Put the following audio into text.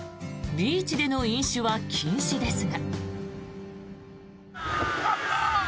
ビーチでの飲酒は禁止ですが。